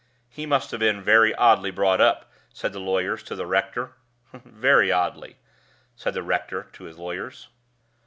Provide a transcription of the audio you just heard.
"He must have been very oddly brought up," said the lawyers to the rector. "Very oddly," said the rector to the lawyers.